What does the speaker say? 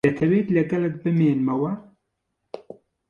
دەتەوێت لەگەڵت بمێنمەوە؟